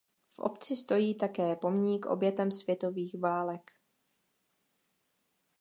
V obci stojí také pomník obětem světových válek.